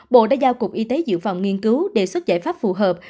bộ đã giao cục y tế dự phòng nghiên cứu đề xuất giải pháp phù hợp